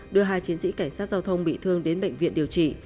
đưa hai chiến sĩ cảnh sát giao thông bị thương đến bệnh viện điều trị